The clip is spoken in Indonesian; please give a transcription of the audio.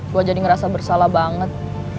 gue jadi ngerasa bersalah banget